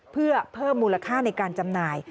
เพื่อเพิ่มมูลค่าในการจำหน่าย